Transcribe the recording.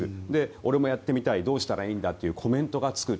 俺もやってみたいどうしたらいいんだという形でコメントがつく。